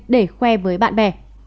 để khoe với bạn bè